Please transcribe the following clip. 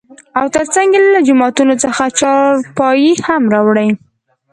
او تر څنګ يې له جومات څخه چارپايي هم راوړى .